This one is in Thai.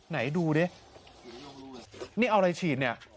ไหนดูดินี่เอาอะไรฉีดเนี่ย